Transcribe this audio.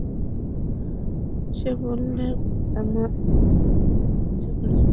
সে বললে, কর্তা-মা, আজ বেরোতে ইচ্ছে করছে না।